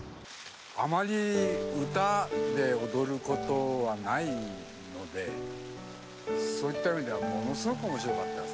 あまり歌で踊ることはないのでそういった意味ではものすごく面白かったですね。